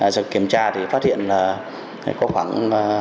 sau kiểm tra thì phát hiện là có khoảng